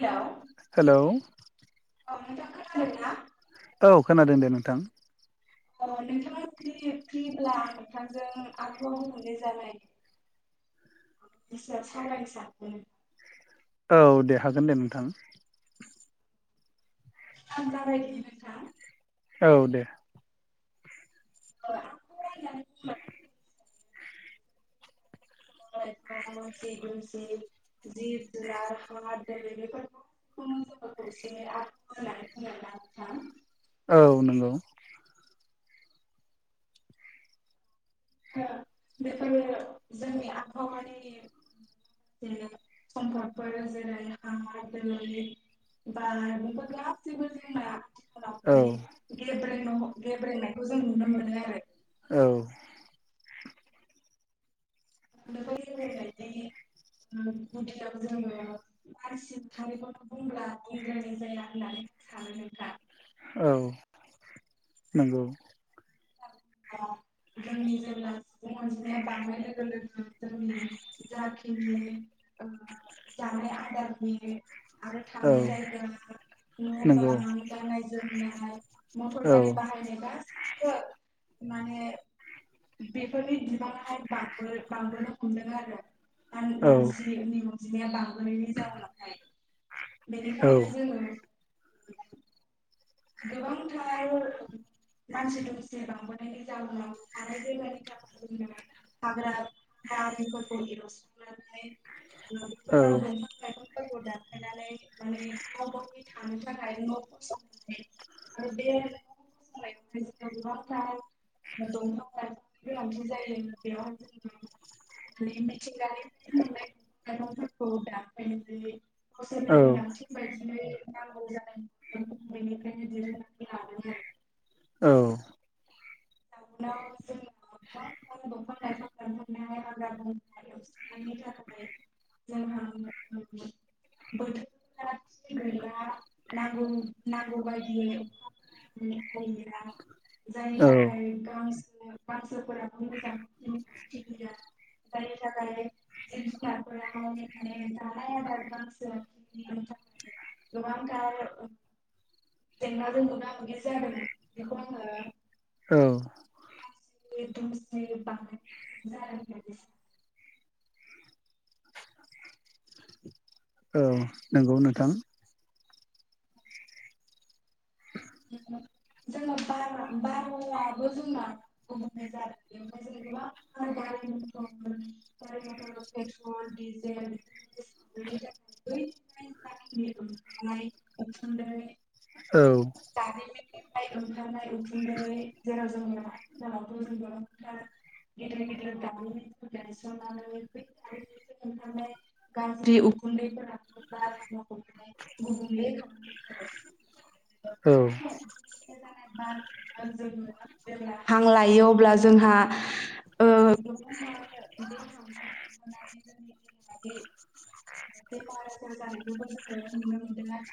Hello hello औ नोंथां खोनादोंना? औ खोनादों दे नोंथां। औ नोंथाङा जुदि फ्रिब्ला आं नोंथांजों आबहावा गुबुंले जानायनि सायाव सावरायनो सानदों औ दे हागोन दे नोंथां आं जागायदिनि नोंथां औ दे [unintelligible] बिफां लाइफा मानसि दुमसि जिब जुनार हा दै बेफोरखौ [unintelligible] औ नंगौ ओ बेफोरनो जोंनि आबहावानि जे सम्पदफोर जेरै हा, दै, बार बेफोर गासैबो जोंना औ उनावहाय [unintelligible] न गेब्रेंनायखौ जों नुनो मोनो आरो औ बेफोर गेब्रेंनायनि ओ गुदियाव जोङो मानसि माहारिखौनो बुंब्ला बुंद्रायनाय जाया होननानै आं सानो नोंथां। औ नंगौ औ जोंनि जेब्ला सुबुं अनजिमाया बांनाय लोगो लोगो जोंनि जाखिनि ओ जानाय आदारनि आरो औ थानाय जायगा न' नंगौ बां गाननाय जोमनाय मटर औ गारि बाहायनाय गासिबबो माने बेफोरनि बिबांया फ्राय बांबो बांबोनो हमदों आरो। औ मान-मानसिनि उन अनजिमाया बां नायनि जाउनावहाय औ बेनिखायनो जोङो [unintelligible] गोबांथार मानसि दुमसि बांबोनायनि जाहोनाव थानाय जायगानि थाखाय जों हाग्रा बंग्राफोरखौ एवस्रांनानै [unintelligible] फोरखौ दानफायनानै माने गाव गावनि थानो थाखाय न' फसंनानै आरो बे मोसानायावहाय जो गोबांथार दंफां लाइफांनि गोनांथि जायो बेयाव जों माने मिथिंगानि मोननाय लाइफांफोरखौ दानफायनाय जायो। बोसोरनि औ गोनांथिं बायदियै नांगौ जानाय बेनिखायनो दिहुन्नानै लादों आरो। औ जाउनाव जों गोबांथार दंफां लाइफां दानफानाय हाग्रा बंग्रा एवस्रांनायनि थाखाय जोंहा बोथोरफोरा थिग गैला नांगौ नांगौ बायदियै अखा हायाखै जायनि औ थाख गांसो गांसोफोराबो मोजांयै खिलिया जायनि थाखाय जिब जुनारफोराहाय माने जानाय आदार गांसोनि थाखाय गोबांथार ओ जेंनाजों मोगा मोगि जानो मोननाय बेखौ आङो औ मानसि दुमसि बांनायनि थाखायसो जादों बायदिसो औ नंगौ नोंथां। जोङो बारा-बाराबो जोंना गुबुंले जादों बेनिफ्राय जों गोबांथार गारि मथर गारि मथर पेट्रल डिजेल बेसादफोरनि थाखाय ओंखारनाय उखुन्दै औ निफ्राय ओंखारनाय उखुन्दै जेराव जों आथिखालावथ जों गोबांथार गेदेर गेदेर दारिमिन दायसनानै है दारिमिननिफ्राय ओंकारनाय गाज्रि उखुन्दैफोराबो बारहावाखौ गुबुंले खालामदों आरो औ बे जानाय जोङो जेब्ला हां लायो अब्ला जोंहा ओ गोबांथार बे हांजों थांफानानै जोंनि देहायादि बेमार आजार जानायखौबो जों नुनो मोनदों आरो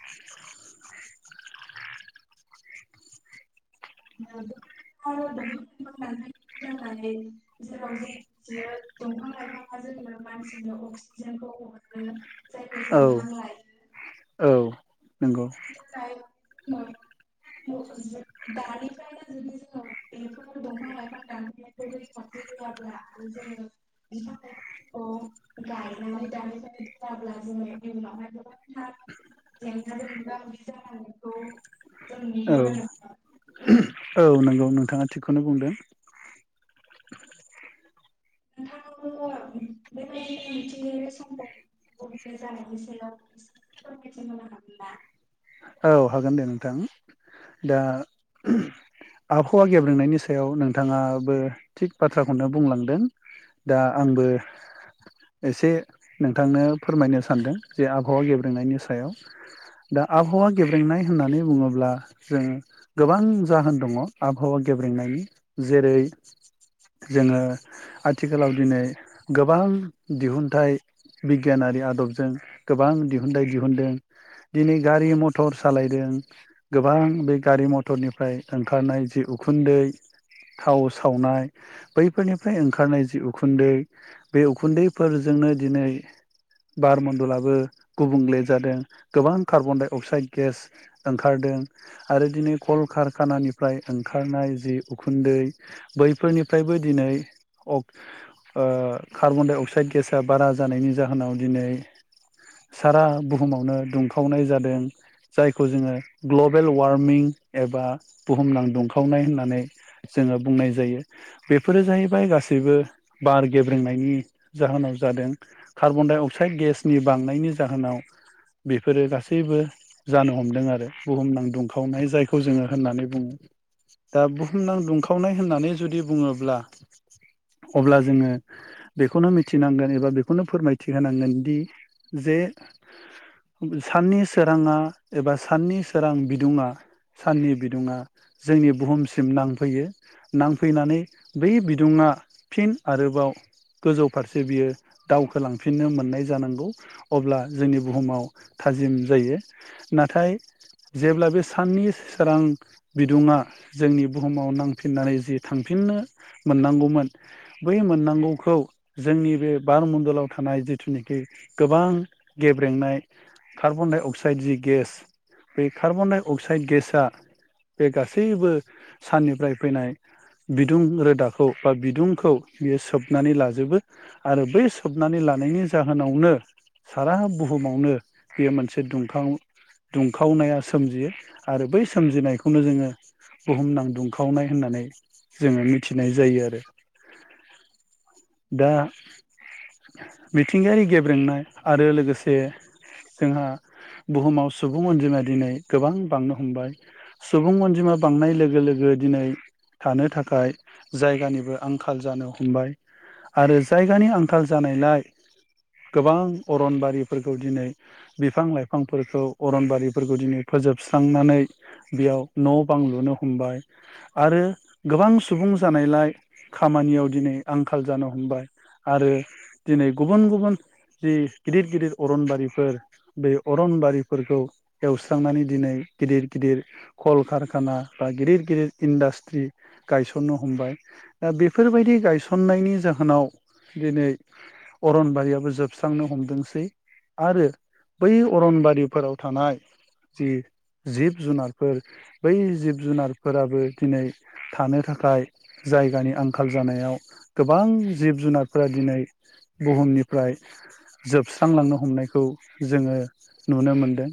दंफां [unintelligible] जेराव जों मिथियो दंफां लाइफाङा जोंनो मानसिनो अक्सिजेनखौ हगारो जायखौ औ जों हां लायो औ नंगौ [unintelligible] [unintelligible] दानिफ्रायनो जुदि जोङो बेफोर दंफां लाइफां दानफायनायखौ रैखाथि होआब्ला आरो जोङो बिफां लाइफांफोरखौ गायनानै दानिफ्रायनो दोनाब्ला जोङो इयुनावहाय गोबांथार जेंना जों [unintelligible] जागोनखौ जों औ नुहुरो नो औ नोंगौ नोंथाङा थिगखौनो बुंदों। नोंथाङाबो बेबायदि मिथिंगायारि समखौ गुबुंले जानायनि सायाव एसे फोरमायथि होनो हागोन ना औ हागोन दे नोंथां दा आबहावा गेब्रेंनायनि सायाव नोंथाङाबो थिग बाथ्राखौनो बुंलांदों दा आंबो एसे नोंथांनो फोरमायनो सानदों जे आबहावा गेब्रेंनायनि सायाव दा आबहावा गेब्रेंनाय होननानै बुङोब्ला जों गोबां जाहोन दङ' आबहावा गेब्रेंनायनि जेरै जोङो आथिखालाव दिनै गोबां दिहुनथाइ बिगियानारि आदबजों गोबां दिहुनथाइ दिहुनदों दिनै गारि मथ थर सालायदों गोबां बे गारि मथरनिफ्राय ओंखारनाय जि उखुन्दै थाव सावनाय बैफोरनिफ्राय ओंखारनाय जि उखुन्दै बे उखुन्दैफोरजोंनो दिनै बार मन्दलाबो गुबुंले जादों गोबां कार्बन डाइ अक्साइड गेस ओंखारदों आरो दिनै कल कारखानानिफ्राय ओंखारनाय जि उखुन्दै बैफोरनिफ्रायबो दिनै अंग ओ कार्बनडाइ अक्साइड गेसआ बारा जानायनि जाहोनाव दिनै सारा बुहुमावनो दुंखावनाय जादों। जायखौ जोङो ग्लबेल वार्मिं एबा बुहुमनां दुंखावनाय होननानै जोङो बुंनाय जायो बेफोरो जाहैबाय गासैबो बार गेब्रेंनायनि जाहोनाव जादों कार्बन डाइ अक्साइड गेसनि बांनायनि जाहोनाव बेफोरो गासैबो जानो हमदों आरो बुहुमनां दुंखावनाय जायखौ जोङो होननानै बुङो दा बुहुमनां दुंखावनाय होननानै जुदि बुङोब्ला अब्ला जोङो बेखौनो मिथिनांगोन एबा बेखौनो फोरमायथि होनांगोनदि जे साननि सोराङा एबा साननि सोरां बिदुङा साननि बिदुङा जोंनि बुहुमसिम नांफैयो नांफैनानै बै बिदुङा फिन आरोबाव गोजौ फारसे बियो दावखोलांफिननो मोननाय जानांगौ अब्ला जोंनि बुहुमाव थाजिम जायो। नाथाय जेब्ला बे साननि सोरां बिदुङा जोंनि बुहुमाव नांफिननानै जि थांफिननो मोननांगौमोन बै मोननांगौखौ जोंनि बे बार मडलाव थानाय जिथुनाखि गोबां गेब्रेंनाय कार्बन डाइ अक्साइड जि गेस बे कार्बन डाइ अक्साइड गेसआ बे गासैबो साननिफ्राय फैनाय बिदुं रोदाखौ बा बिदुंखौ बेयो सोबनानै लाजोबो आरो बै सोबनानै लानायनि जाहोनावनो सारा बुहुमावनो बेयो मोनसे दुंखां दुंखावनाया सोमजियो आरो बै सोमजिनायखौनो जोङो बुहुमनां दुंखावनाय होननानै जोङो मिथिनाय जायो आरो दा मिथिंगायारि गेब्रेंनाय आरो लोगोसे जोंहा बुहुमाव सुबुं अनजिमाया दिनै गोबां बांनो हमबाय सुबुं अनजिमा बांनाय लोगो लोगो दिनै थानो थाखाय जायगानिबो आंखाल जानो हमबाय आरो जायगानि आंखाल जानायलाय गोबां अरनबारिफोरखौ दिनै बिफां लाइफ फांफोरखौ अरनबारिफोरखौ दिनै फोजोबस्रांनानै बेयाव न' बां लुनो हमबाय आरो गोबां सुबुं जानायलाय खामानियाव दिनै आंखाल जानो हमबाय आरो दिनै गुबुन गुबुन जि गिदिर गिदिर अरनबारिफोर बे अरनबारिफोरखौ एवस्रांनानै दिनै गिदिर गिदिर कल कारखाना बा गिदिर गिदिर इन्डास्ट्रि गायसननो हमबाय दा बेफोरबायदि गायसननायनि जाहोनाव दिनै अरनबारियाबो जोबस्रांनो हमदोंसै आरो बै अरनबारिफोराव थानाय जि जिब जुनारफोर बै जिब जुनारफोराबो दिनै थानो थाखाय जायगानि आंखाल जानायाव गोबां जिब जुनारफोरा दिनै बुहुमनिफ्राय जोबस्रांलांनो हमनायखौ जोङो नुनो मोनदों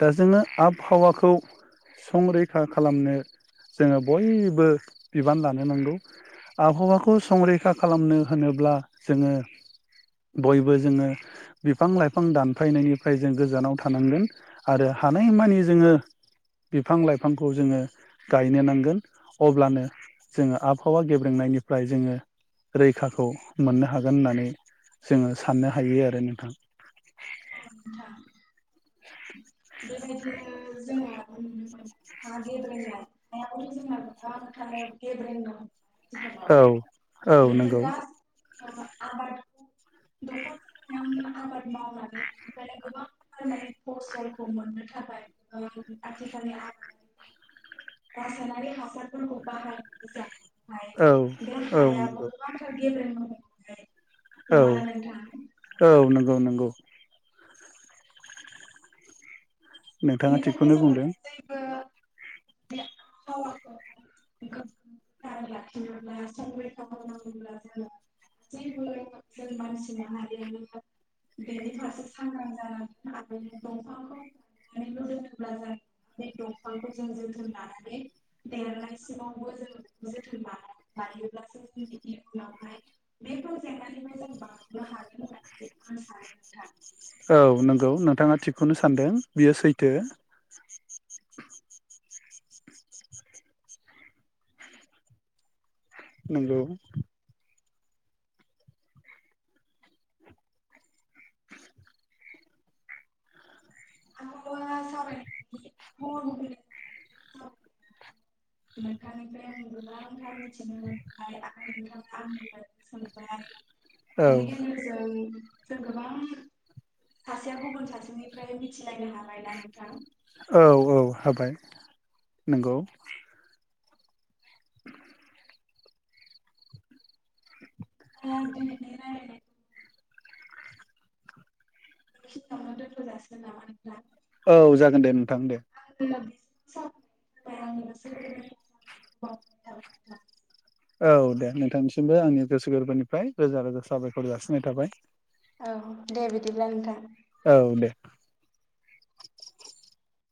दा जोङो आबहावाखौ संरैखा खालामनो जोङो बयबो बिबान लानो नांगौ आबहावाखौ संरैखा खालामनो होनोब्ला जोङो बयबो जोङो बिफां लाइफां दान फायनायनिफ्राय जों गोजानाव थानांगोन आरो हानायमानि जोङो बिफां लाइफांखौ जोङो गायनो नांगोन अब्लानो जोङो आबहावा गेब्रेंनायनिफ्राय जोङो रैखाखौ मोननो हागोन होननानै जोङो साननो हायो आरो नोंथां। औ नोंथां जों हा गेब्रेंनायाव जोंहा गोबांथार गेब्रेंनाय दं आथिखालाव औ औ बेफोर नंगौ गासै आबाद दखरसे हायावनो आबाद मावनानै बेनिफ्रायनो गोबांथार माने फसलखौ मोननो थाखाय ओ आथिखालनि आबादारिफोरा रासायनारि हासारफोरखौ बाहायनाय औ [inaudible] [inaudible] बे औ हायाबो नंगौ गोबांथार गेबब्रेंनो हम जाय औ औ नंगौ नंगौ। [inaudible] नोंथाङा बेनिखायनो थिगखौनो जोङो बुंदों। गासैबो [unintelligible] लाखिनोब्ला संरैखा होनांगौब्ला जोङो जोंबो जों मानसि माहारियानो बेनि फारसे सांग्रां जानांगोन आरो दंफांखौ गायनानै दोनोब्ला जाया बे दंफांखौ जों जोथोन लानानै देरनायसिमावबो जों जोथोन लानां लायोब्लासो जों इयुनावहाय बे प्रजेक्टनिफ्राय जों बारग'नो हागोन होननानै आं सानो नोंथां। औ नंगौ नोंथाङा थिगखौनो सानदों बियो सैथो। नोंगौ। [unintelligible] नोंथांनिफ्राय आं गोबांथार मि थिनो मोनबाय आरो गोबां आंनिफ्राय बो सोंबाय औ बेनि गेजेरजों जों गोबां सासेया गुबुन सासेनिफ्राय मिथिलायनो हाबायना नोंथां। औ औ हाबाय नंगौ। बिदिब्ला दिनैनि रायलायनायखौ बिखिनियावनोव दोनथ' जासिगोन नामा नोंथां? औ जागोन दे नों आं [unintelligible] जाबोनायनि थाखाय आं [inaudible] औ दे नोंथांनिसिमबो आंनि गोसो गोरबोनिफ्राय रोजा रोजा साबायखर जासिनाय थाबाय। औ दे बिदिब्ला नोंथां। औ दे